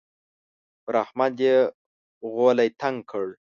پر احمد يې غولی تنګ کړ.